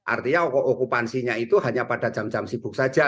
artinya okupansinya itu hanya pada jam jam sibuk saja